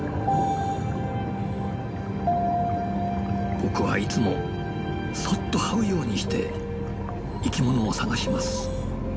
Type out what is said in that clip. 僕はいつもそっとはうようにして生きものを探します。